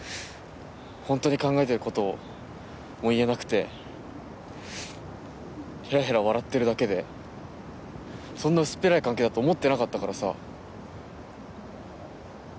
本当に考えてることも言えなくてヘラヘラ笑ってるだけでそんな薄っぺらい関係だと思ってなかったからさ。